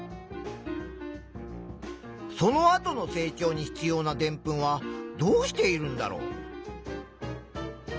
そのあとの成長に必要なでんぷんはどうしているんだろう。